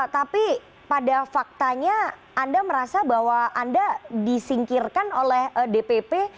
tapi pada faktanya anda merasa bahwa anda disingkirkan oleh dpp